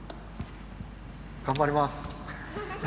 頑張ります。